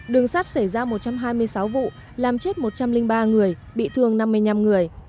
đường sắt xảy ra một trăm hai mươi sáu vụ làm chết một trăm linh ba người bị thương năm mươi năm người